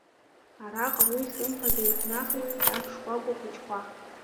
Араҟа уи хымԥада ихнахит акәтаӷь шкәакәа хәыҷқәа.